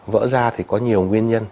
vỡ ra thì có nhiều nguyên nhân